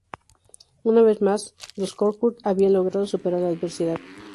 Una vez más, los köktürk habían logrado superar la adversidad.